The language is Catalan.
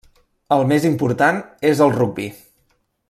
El més important és el rugbi.